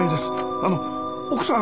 あの奥さん